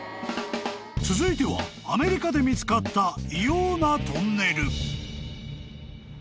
［続いてはアメリカで見つかった異様なトンネル］